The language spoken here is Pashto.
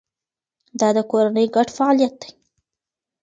دا د کورنۍ ګډ فعالیت دی.